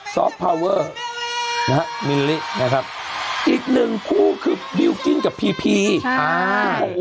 พาวเวอร์นะฮะมิลลินะครับอีกหนึ่งคู่คือบิลกิ้งกับพีพีอ่า